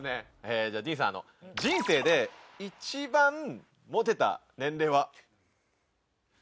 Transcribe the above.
じゃあＤＥＡＮさん人生で一番モテた年齢は？